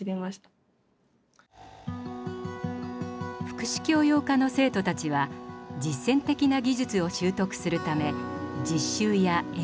福祉教養科の生徒たちは実践的な技術を修得するため実習や演習を行います。